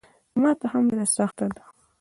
ماته هم ډېره سخته ده.